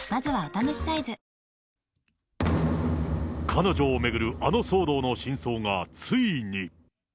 彼女を巡るあの騒動の真相がついに。